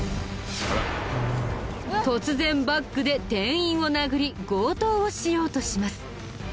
突然バッグで店員を殴り強盗をしようとします。